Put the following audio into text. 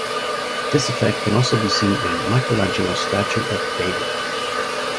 This effect can also be seen in Michelangelo's statue of David.